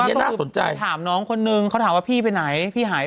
ไทยรัฐนิวโชว์เมื่อกี้ที่เขาตัด